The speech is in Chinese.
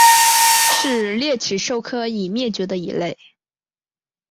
是鬣齿兽科已灭绝的一类。